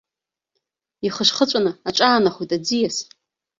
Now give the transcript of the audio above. Ихышхыҵәаны аҿаанахоит аӡиас.